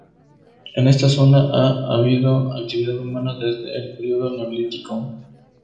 En esta zona ha habido actividad humana desde el período Neolítico.